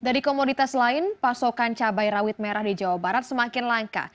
dari komoditas lain pasokan cabai rawit merah di jawa barat semakin langka